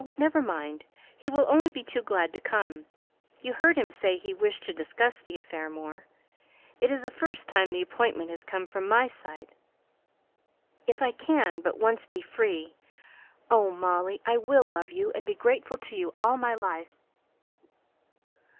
never mind! He will only be too glad to come; you heard him say he wished to discuss the affair more; it is the first time the appointment has come from my side. If I can but once be free oh, Molly, I will love you, and be grateful to you all my life!"